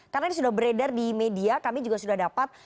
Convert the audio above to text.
karena ini sudah beredar di media kami juga sudah dapat